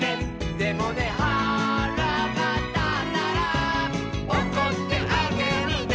「でもねはらがたったら」「おこってあげるね」